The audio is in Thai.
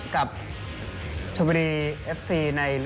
ก็คือคุณอันนบสิงต์โตทองนะครับ